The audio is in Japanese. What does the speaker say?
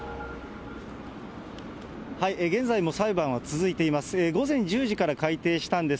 現在も裁判は続いています。